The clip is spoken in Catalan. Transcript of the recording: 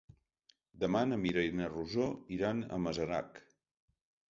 Demà na Mira i na Rosó iran a Masarac.